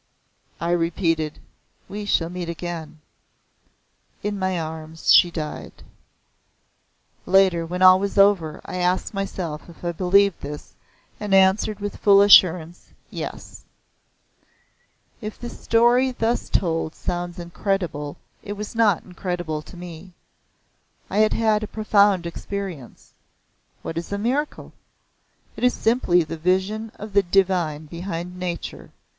I repeated "We shall meet again." In my arms she died. Later, when all was over I asked myself if I believed this and answered with full assurance Yes. If the story thus told sounds incredible it was not incredible to me. I had had a profound experience. What is a miracle? It is simply the vision of the Divine behind nature.